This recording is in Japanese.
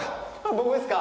僕ですか？